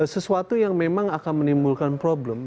sesuatu yang memang akan menimbulkan problem